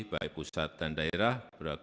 baik pusat dan daerah